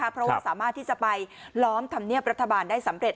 เพราะว่าสามารถที่จะไปล้อมธรรมเนียบรัฐบาลได้สำเร็จ